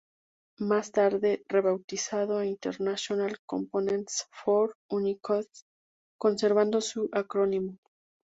Más tarde rebautizado a "International Components for Unicode," conservando su acrónimo.